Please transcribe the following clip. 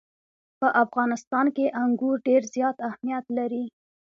په افغانستان کې انګور ډېر زیات اهمیت لري.